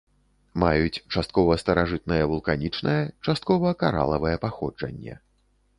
Маюць часткова старажытнае вулканічнае, часткова каралавае паходжанне.